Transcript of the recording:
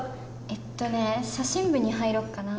えっとね写真部に入ろうかな。